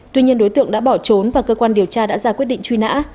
tuy nhiên đối tượng đã bỏ trốn và cơ quan điều tra đã ra quyết định truy nã